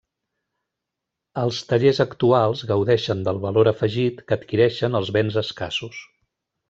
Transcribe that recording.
Els tallers actuals gaudeixen del valor afegit que adquireixen els béns escassos.